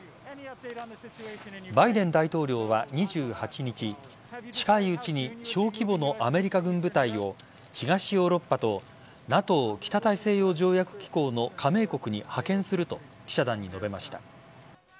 バイデン大統領は２８日近いうちに小規模のアメリカ軍部隊を東ヨーロッパとＮＡＴＯ＝北大西洋条約機構の加盟国に派遣すると記者団に述べました。